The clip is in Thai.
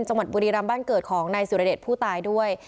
จังหวัดบุรีรัมบ้านเกิดของนายสุรเดชผู้ตายด้วย